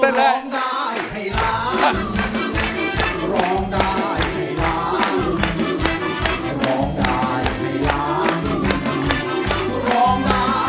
ร้องได้ให้ร้อง